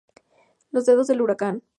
Los dedos del huracán.